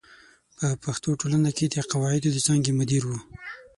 په پښتو ټولنه کې د قواعدو د څانګې مدیر و.